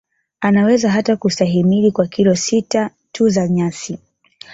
Anaweza hata kustahimili kwa kilo sita tu za nyasi